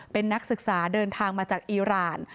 เป็นนักศึกษาเดินทางมาจากอีราน